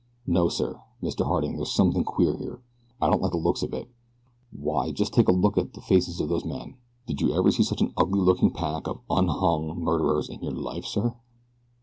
No sir, Mr. Harding, there's something queer here I don't like the looks of it. Why just take a good look at the faces of those men. Did you ever see such an ugly looking pack of unhung murderers in your life, sir?"